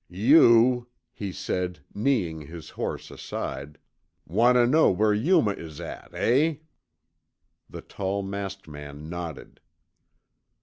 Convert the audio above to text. "You," he said, kneeing his horse aside, "want tuh know whar Yuma is at, eh?" The tall masked man nodded.